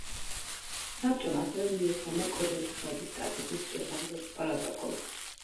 საბჭომ, ასევე მიესალმა კოდორის ხეობის სტატუსის შესახებ პროტოკოლს.